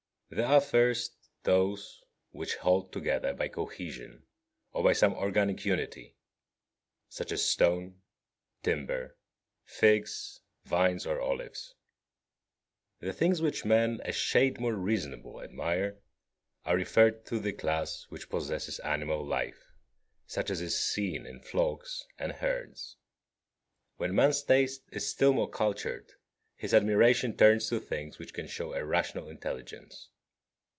There are, first, those which hold together by cohesion or by some organic unity, such as stone, timber, figs, vines or olives. The things which men, a shade more reasonable, admire are referred to the class which possesses animal life such as is seen in flocks and herds. When man's taste is still more cultured his admiration turns to things which can show a rational intelligence.